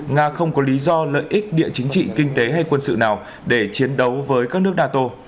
nga không có lý do lợi ích địa chính trị kinh tế hay quân sự nào để chiến đấu với các nước nato